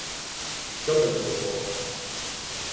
Що тобі до того!